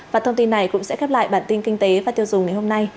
và thông tin này cũng sẽ khép lại bản tin kinh tế và tiêu dùng ngày hôm nay